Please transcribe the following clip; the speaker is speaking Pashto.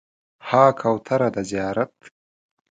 ها کوتره د زیارت